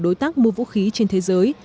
đối tác mua vũ khí trên thế giới